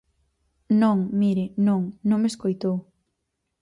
Non, mire, non, non me escoitou.